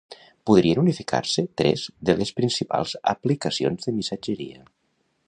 Podrien unificar-se tres de les principals aplicacions de missatgeria